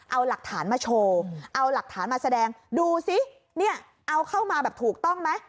เอาหลักฐานมาโชว์เอาหลักฐานมาแสดงดูซิเนี่ยเอาเข้ามาแบบถูกต้องไหม